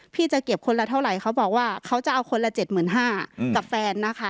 จะเก็บคนละเท่าไหร่เขาบอกว่าเขาจะเอาคนละ๗๕๐๐กับแฟนนะคะ